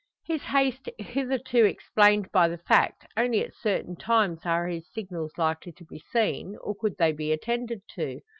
His haste hitherto explained by the fact, only at certain times are his signals likely to be seen, or could they be attended to.